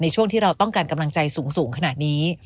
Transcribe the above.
ก็ต้องการกำลังใจสูงขนาดนี้